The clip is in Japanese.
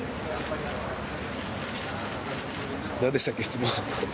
何でしたっけ、質問。